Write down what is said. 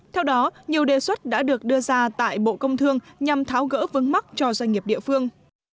theo đó nhiều đề xuất đã được đưa ra tại bộ công thương nhằm tháo gỡ vướng mắt cho doanh nghiệp địa phương